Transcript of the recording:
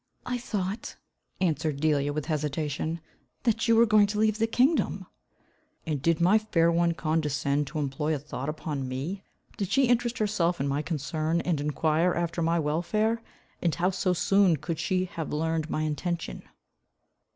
"I thought," answered Delia, with hesitation, "that you were going to leave the kingdom." "And did my fair one condescend to employ a thought upon me? Did she interest herself in my concern and enquire after my welfare? And how so soon could she have learned my intention?"